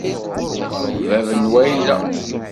Bab n wayla